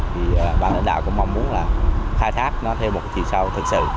thì bà lãnh đạo cũng mong muốn là khai thác nó theo một chiều sau thực sự